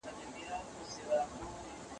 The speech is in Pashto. د کارل مارکس نظريې په سياست کي اغېزناکي دي.